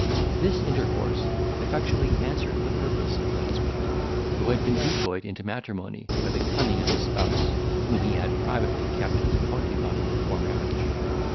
This intercourse effectually answered the purpose of the husband, who had been decoyed into matrimony by the cunning of his spouse, whom he had privately kept as a concubine before marriage.